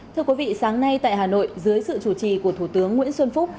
thưa quý vị sáng nay tại hà nội dưới sự chủ trì của thủ tướng nguyễn xuân phúc